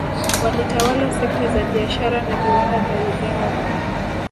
Walitawala sekta za biashara na viwanda vya Uganda